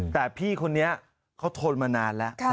แต่พี่คนนี้เขาทนมานานแล้ว